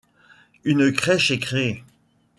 Une crèche est créée.